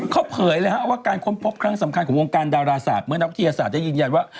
เขาเผยเลยฮะว่าการค้นพบครั้งสำคัญของวงการดาราศาสตร์เมื่อนักวิทยาศาสตร์ได้ยืนยันว่า